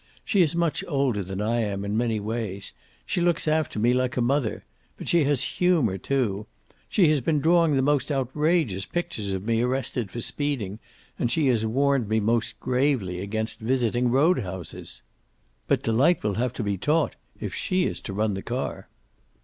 She is much older than I am, in many ways. She looks after me like a mother. But she has humor, too. She has been drawing the most outrageous pictures of me arrested for speeding, and she has warned me most gravely against visiting road houses!" "But Delight will have to be taught, if she is to run the car."